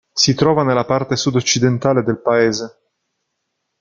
Si trova nella parte sud-occidentale del paese.